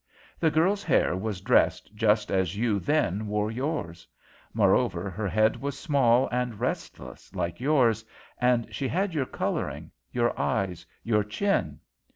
The girl's hair was dressed just as you then wore yours. Moreover, her head was small and restless like yours, and she had your colouring, your eyes, your chin.